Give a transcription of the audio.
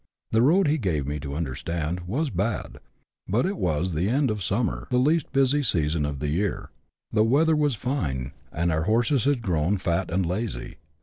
The road, he gave me to understand, was bad, but it was the end of summer, the least busy season of the year, the weather was fine, and our horses had grown fat and lazy.